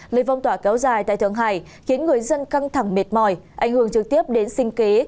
lời vong tỏa kéo dài tại thượng hải khiến người dân căng thẳng mệt mỏi ảnh hưởng trực tiếp đến sinh kế